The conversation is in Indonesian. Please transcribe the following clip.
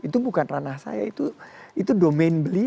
itu bukan ranah saya itu domain beli